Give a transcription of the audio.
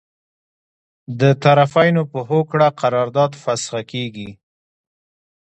د طرفینو په هوکړه قرارداد فسخه کیږي.